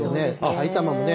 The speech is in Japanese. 埼玉もね